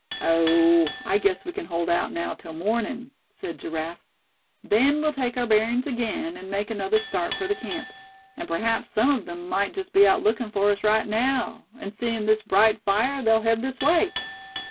"Oh! I guess we can hold out now till morning," said Giraffe. "Then we'll take our bearings again, and make another start for the camp. And p'raps some of them might just be out looking for us right now; and seeing this bright fire, they'll head this way.